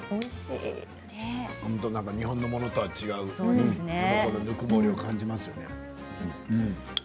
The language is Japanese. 日本のものとは、また違うぬくもりを感じますね。